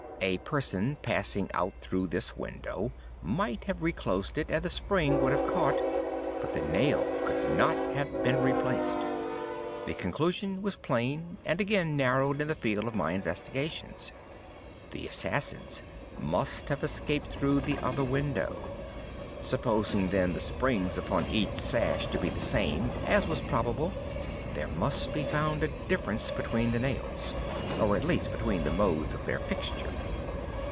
A person passing out through this window might have reclosed it, and the spring would have caught—but the nail could not have been replaced. The conclusion was plain, and again narrowed in the field of my investigations. The assassins must have escaped through the other window. Supposing, then, the springs upon each sash to be the same, as was probable, there must be found a difference between the nails, or at least between the modes of their fixture.